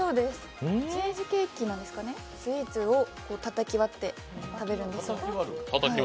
チーズケーキなんですかね、チーズをたたき割って食べるんですよ。